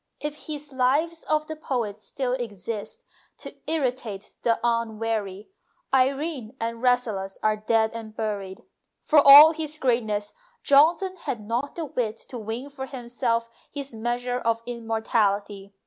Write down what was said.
If his " Lives of the Poets " still exist to irritate the unwary, " Irene " and " Rasselas " are dead and buried. For all his greatness Johnson had not the wit to win for himself his measure of immortality.